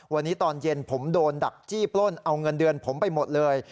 วันนี้ตอนเย็นผมโดนดักจี้ปล้นเอาเงินเดือนผมไปหมดเลย